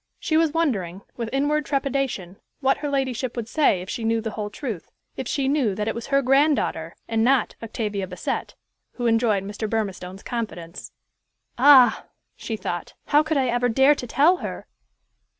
She was wondering, with inward trepidation, what her ladyship would say if she knew the whole truth, if she knew that it was her granddaughter, and not Octavia Bassett, who enjoyed Mr. Burmistone's confidence. "Ah!" she thought, "how could I ever dare to tell her?"